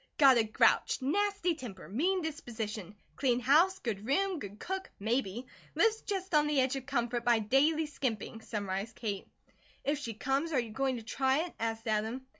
"Got a grouch, nasty temper, mean disposition; clean house, good room, good cook maybe; lives just on the edge of comfort by daily skimping," summarized Kate. "If she comes, are you going to try it?" asked Adam.